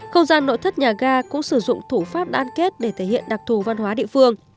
không gian nội thất nhà ga cũng sử dụng thủ pháp kết để thể hiện đặc thù văn hóa địa phương